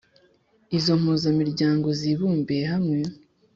Izo mpuzamiryango zibumbiye hamwe